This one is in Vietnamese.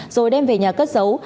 rồi đem về nhà cất giấu